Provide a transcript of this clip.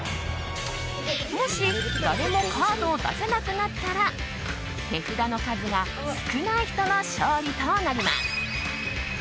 もし誰もカードを出せなくなったら手札の数が少ない人の勝利となります。